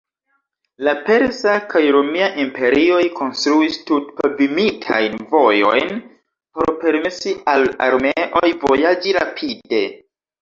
La persa kaj romia imperioj konstruis tut-pavimitajn vojojn por permesi al armeoj vojaĝi rapide.